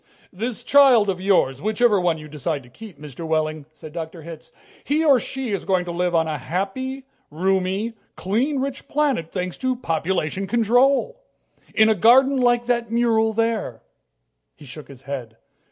"This child of yours whichever one you decide to keep, Mr. Wehling," said Dr. Hitz. "He or she is going to live on a happy, roomy, clean, rich planet, thanks to population control. In a garden like that mural there." He shook his head.